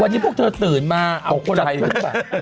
วันนี้พวกเธอตื่นมาเอาคนละครึ่ง